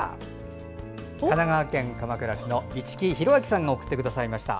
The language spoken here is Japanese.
神奈川県鎌倉市の市来広昭さんが送ってくださいました。